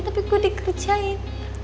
tapi gue dikerjain